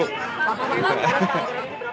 pak pak pak